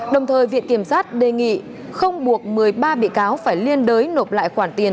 đồng thời viện kiểm sát đề nghị không buộc một mươi ba bị cáo phải liên đới nộp lại khoản tiền